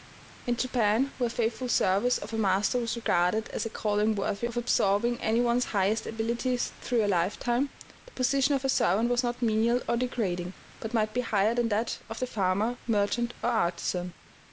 In Japan, where faithful service of a master was regarded as a calling worthy of absorbing any one's highest abilities through a lifetime, the position of a servant was not menial or degrading, but might be higher than that of the farmer, merchant, or artisan.